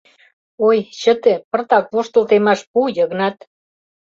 Ой, чыте, пыртак воштыл темаш пу, Йыгнат...